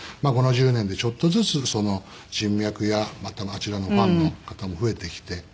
この１０年でちょっとずつ人脈やまたあちらのファンの方も増えてきて。